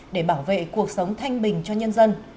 để bảo vệ cuộc sống thanh bình cho nhân dân